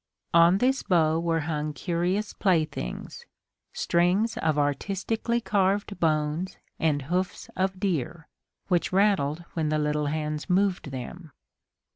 On this bow were hung curious playthings strings of artistically carved bones and hoofs of deer, which rattled when the little hands moved them.